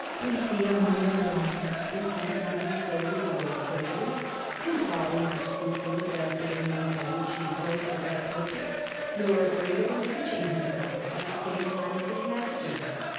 "We see a major domns intent on refilling the royal treasury, and probably not scrupulous as to the means which he employs for that purpose, nor afraid of enriching himself at the same time as his master.